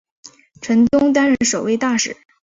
陈东担任首位大使。